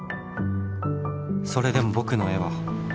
「それでも僕の絵は」